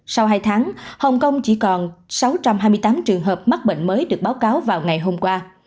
sau hai tháng hồng kông chỉ còn sáu trăm hai mươi tám trường hợp mắc bệnh mới được báo cáo vào ngày hôm qua